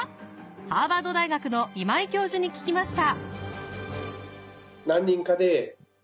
ハーバード大学の今井教授に聞きました。